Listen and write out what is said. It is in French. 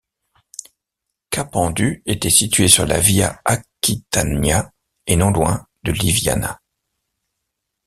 Capendu était situé sur la via Aquitania et non loin de Liviana.